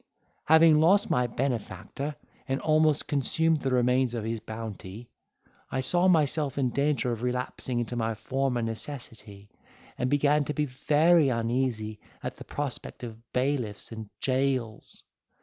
'Having lost my benefactor, and almost consumed the remains of his bounty, I saw myself in danger of relapsing into my former necessity, and began to be very uneasy at the prospect of bailiffs and jails!